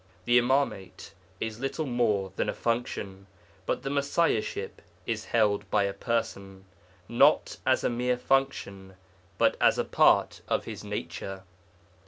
The Imāmate is little more than a function, but the Messiahship is held by a person, not as a mere function, but as a part of his nature.